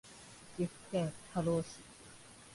岐阜県瑞浪市